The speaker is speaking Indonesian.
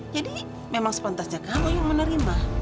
jadi memang sepantasnya kamu yang menerima